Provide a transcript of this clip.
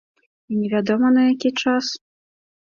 І невядома, на які час?